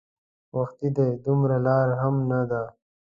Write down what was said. وختي دی دومره لار هم نه ده.